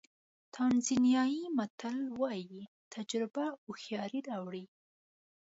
تانزانیایي متل وایي تجربه هوښیاري راوړي.